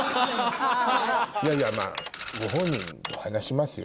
いやいやまぁご本人と話しますよ。